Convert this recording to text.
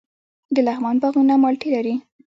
د لغمان باغونه مالټې لري.